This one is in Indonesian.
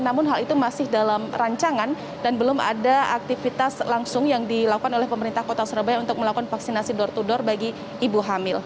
namun hal itu masih dalam rancangan dan belum ada aktivitas langsung yang dilakukan oleh pemerintah kota surabaya untuk melakukan vaksinasi door to door bagi ibu hamil